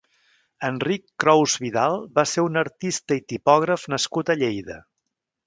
Enric Crous-Vidal va ser un artista i tipògraf nascut a Lleida.